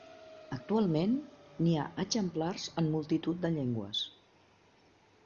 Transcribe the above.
Actualment, n'hi ha exemplars en multitud de llengües.